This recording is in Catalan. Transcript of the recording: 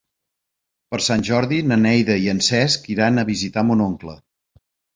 Per Sant Jordi na Neida i en Cesc iran a visitar mon oncle.